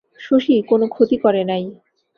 শশী কোনো ক্ষতি করে নাই।